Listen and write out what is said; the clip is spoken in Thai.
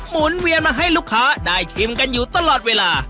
นเวียนมาให้ลูกค้าได้ชิมกันอยู่ตลอดเวลา